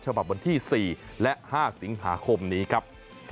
วันที่๔และ๕สิงหาคมนี้ครับ